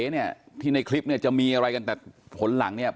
เนี่ยที่ในคลิปเนี่ยจะมีอะไรกันแต่ผลหลังเนี่ย